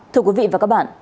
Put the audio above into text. thưa quý vị và các bạn